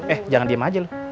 eh jangan diem aja loh